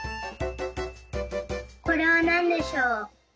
これはなんでしょう。